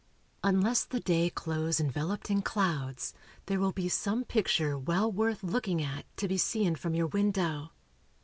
Unless the day close enveloped in clouds, there will be some picture, well worth looking at, to be seen from your window.